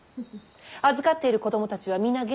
預かっている子供たちは皆元気？